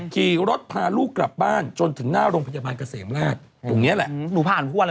ขี่รถพาลูกกลับบ้านจนถึงหน้าโรงพยาบาลเกษมราช